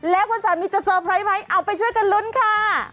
แล้วคุณสามีจะเซอร์ไพรส์ไหมเอาไปช่วยกันลุ้นค่ะ